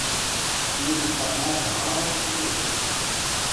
Тидӹ гӹц паснажы, ма вара эче келеш?